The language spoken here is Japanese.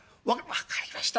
「分かりました。